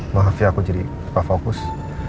maaf ya aku jadi kepafokus